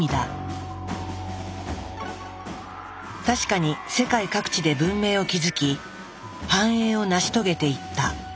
確かに世界各地で文明を築き繁栄を成し遂げていった。